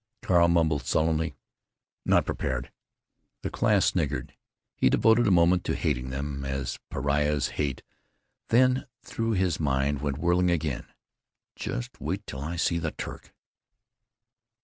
Carl mumbled, sullenly, "Not prepared." The class sniggered. He devoted a moment to hating them, as pariahs hate, then through his mind went whirling again, "Just wait till I see the Turk!"